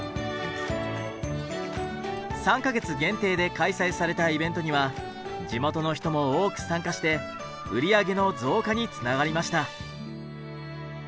３か月限定で開催されたイベントには地元の人も多く参加して売り上げの増加につながりました。